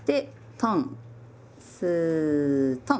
トンスートン。